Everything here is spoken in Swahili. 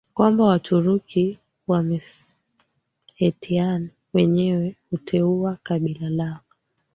kwamba Waturuki wa Meskhetian wenyewe huteua kabila lao